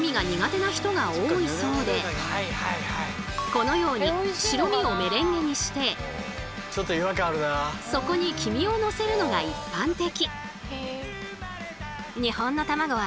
このように白身をメレンゲにしてそこに黄身をのせるのが一般的。